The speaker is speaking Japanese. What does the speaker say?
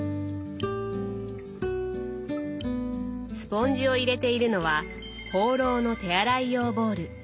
スポンジを入れているのはホーローの手洗い用ボウル。